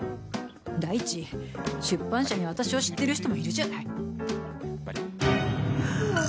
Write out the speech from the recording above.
第一、出版社には私を知っている人もいるじゃない。